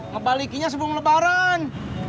ngebalikinya sebelum lebaran